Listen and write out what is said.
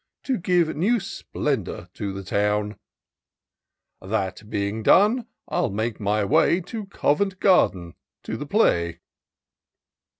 To give new splendour to the town : That being done. 111 take my way To Covent Garden — to the play."